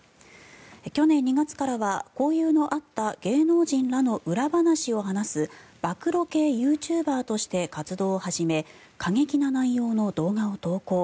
去年２月からは交友のあった芸能人らの裏話を話す暴露系ユーチューバーとして活動を始め過激な内容の動画を投稿。